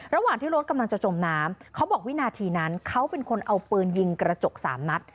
ระหว่างที่รถกำลังจะจมน้ำเขาบอกวินาทีนั้นเขาเป็นคนเอาปืนยิงกระจกสามนัด